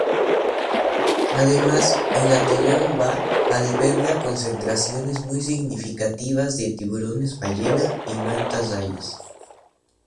Además, el atolón Baa alberga concentraciones muy significativas de tiburones ballena y mantas raya.